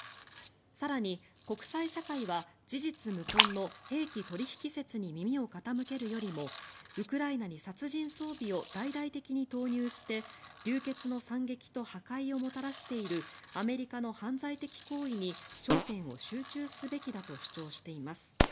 更に、国際社会は事実無根の兵器取引説に耳を傾けるよりもウクライナに殺人装備を大々的に投入して流血の惨劇と破壊をもたらしているアメリカの犯罪的行為に焦点を集中すべきだと主張しています。